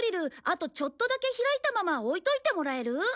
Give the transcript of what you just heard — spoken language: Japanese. あとちょっとだけ開いたまま置いておいてもらえる？